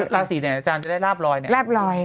ราศีเนี่ยอาจารย์จะได้ราบลอยเนี่ยราบลอย